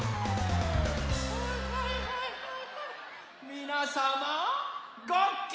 みなさまごっき？